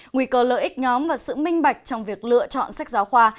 nguy cơ lợi ích nhóm và sự minh bạch trong việc lựa chọn sách giáo khoa